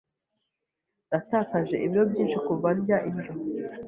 Natakaje ibiro byinshi kuva ndya indyo.